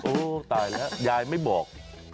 ตายแล้วยายไม่บอก